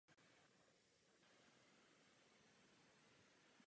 Založil a dvacet let provozoval cestovní kancelář.